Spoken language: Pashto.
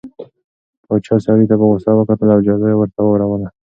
پاچا سړي ته په غوسه وکتل او جزا یې ورته واوروله.